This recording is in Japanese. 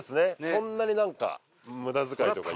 そんなになんか無駄遣いとか。